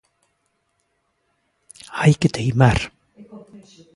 Hai que teimar.